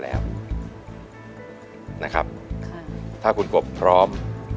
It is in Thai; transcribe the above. แล้วนะครับค่ะถ้าคุณกบพร้อม